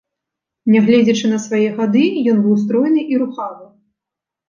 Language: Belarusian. Нягледзячы на свае гады, ён быў стройны і рухавы.